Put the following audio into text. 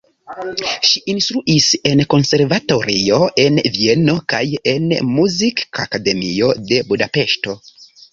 Ŝi instruis en konservatorio en Vieno kaj en Muzikakademio de Budapeŝto.